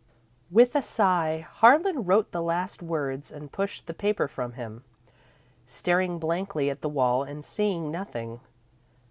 _ With a sigh, Harlan wrote the last words and pushed the paper from him, staring blankly at the wall and seeing nothing.